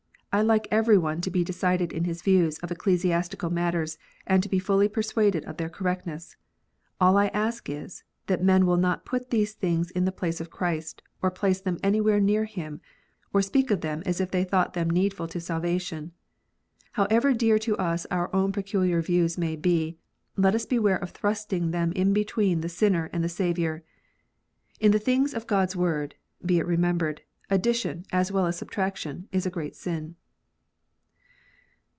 I like every one to be decided in his views of ecclesiastical matters, and to be fully persuaded of their correctness. All I ask is, that men will not put these things in the place of Christ, or place them anywhere near Him, or speak of them as if they thought them needful to salvation. However dear to us our own peculiar views may be, let us beware of thrusting them in between the sinner and the Saviour. In the things of God s Word, be it remembered, addition, as well as subtraction, is a great sin.